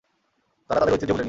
তারা তাদের ঐতিহ্য ভুলেনি।